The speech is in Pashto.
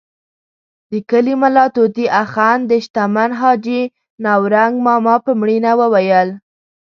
د کلي ملا طوطي اخند د شتمن حاجي نورنګ ماما په مړینه وویل.